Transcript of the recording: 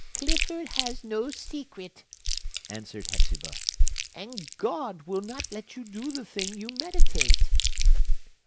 "Clifford has no secret!" answered Hepzibah. "And God will not let you do the thing you meditate!"